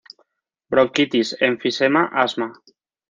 Bronquitis, enfisema, asma.